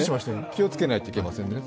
気をつけないといけませんね。